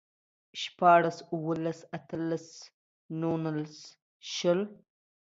شپاړلس، اوولس، اتلس، نولس، شل